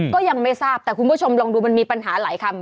ก็ยังไม่ทราบแต่คุณผู้ชมลองดูมันมีปัญหาหลายคำ